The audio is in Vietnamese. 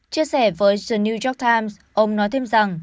chia sẻ với the new york times ông nói thêm rằng